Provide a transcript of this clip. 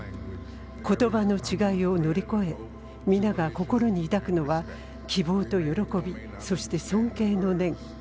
言葉の違いを乗り越え皆が心に抱くのは希望と喜び、そして尊敬の念。